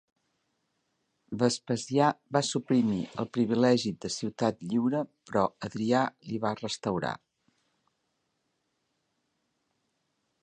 Vespasià va suprimir el privilegi de ciutat lliure, però Adrià li va restaurar.